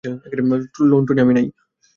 Loan টোনে আমি নাই।